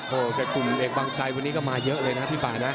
โอ้โหแต่กลุ่มเอกบางไซดวันนี้ก็มาเยอะเลยนะพี่ป่านะ